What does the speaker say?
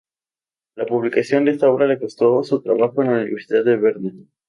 La publicación de esta obra le costó su trabajo en la Universidad de Berna.